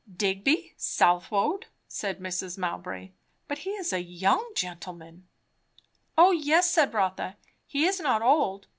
"Digby Southwode!" said Mrs. Mowbray. "But he is a young gentleman." "O yes," said Rotha. "He is not old.